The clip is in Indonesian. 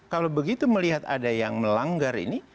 kalau begitu melihat ada yang melanggar ini